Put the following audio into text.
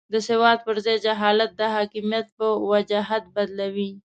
د سواد پر ځای جهالت د حاکمیت په وجاهت بدلوي.